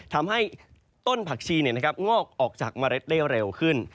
ทำให้ต้นผักชีงอกออกจากเมล็ดได้เร็วขึ้น